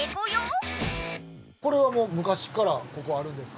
これはもうむかしからここあるんですか？